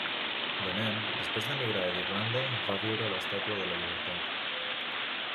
De nen, després d'emigrar d'Irlanda, va viure a l'estàtua de la Llibertat.